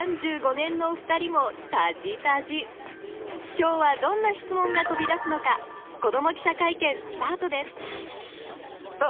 今日はどんな質問が飛び出すのか子ども記者会見スタートですさあ